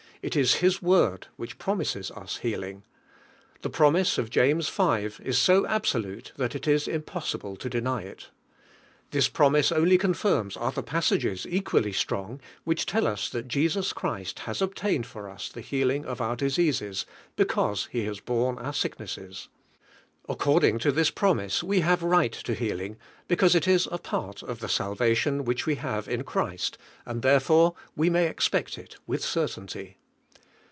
It is His Word which promises us healing. The promise of James v. is so absolute that it is impossible 1o deny it. This promise only confirms other passages, equally strong, which tell us thai Jesus rlirisi tins obtained. for us |ho healing of our diseases, because He has borne our sicknesses. According to this promise, we have right to healing, because it iB a part of the salvation which we have in Christ, and therefore we may expert il with certainty.